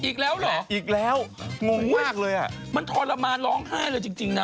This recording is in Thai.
อีกแล้วเหรออีกแล้วงงมากเลยอ่ะมันทรมานร้องไห้เลยจริงจริงนะ